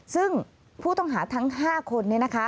ซึ่งผู้ต้องหาทั้ง๕คน